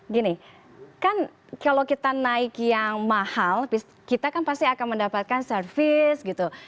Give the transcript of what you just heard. gini kan kalau kita naik yang mahal kita kan pasti akan mendapatkan service gitu